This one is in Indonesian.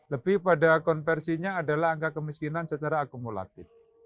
lebih pada konversinya adalah angka kemiskinan secara akumulatif